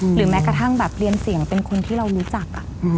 แม้กระทั่งแบบเรียนเสียงเป็นคนที่เรารู้จัก